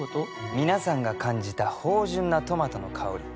皆さんが感じた芳醇なトマトの香り